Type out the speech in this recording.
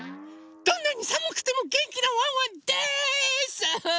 どんなにさむくてもげんきなワンワンです！